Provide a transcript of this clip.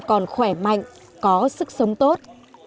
còn khỏe mạnh có sức sống tốt